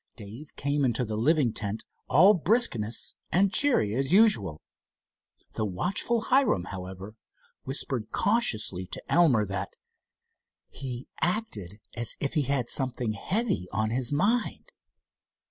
Dave came into the living tent all briskness and cheery as usual. The watchful Hiram, however, whispered cautiously to Elmer that "he acted as if he had something heavy on his mind."